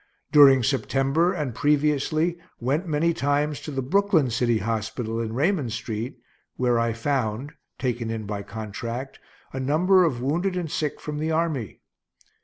During September, and previously, went many times to the Brooklyn city hospital, in Raymond street, where I found (taken in by contract) a number of wounded and sick from the army.